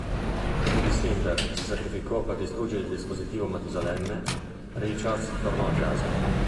Dopo che Cinder si sacrificò per distruggere il Dispositivo Matusalemme, Richards tornò a casa.